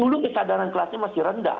dulu kesadaran kelasnya masih rendah